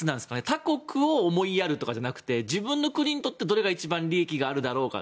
他国を思いやるとかじゃなくて自分の国にとってどれが一番利益があるだろうか。